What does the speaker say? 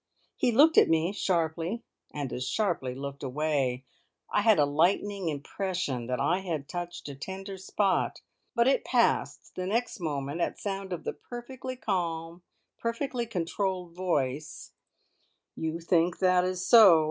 He looked at me sharply, and as sharply looked away. I had a lightning impression that I had touched a tender spot, but it passed the next moment at sound of the perfectly calm, perfectly controlled voice: "You think that is so?